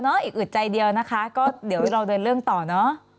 อีกอึดใจเดียวนะคะก็เดี๋ยวเราเดินเรื่องต่อเนอะ